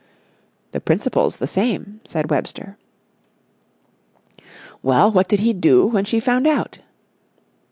"The principle's the same," said Webster. "Well, what did he do when she found out?"